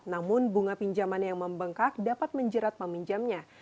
namun bunga pinjaman yang membengkak dapat menjerat peminjamnya